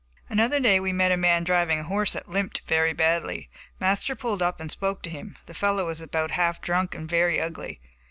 Another day we met a man driving a horse that limped very badly. Master pulled up and spoke to him. The fellow was about half drunk and very ugly.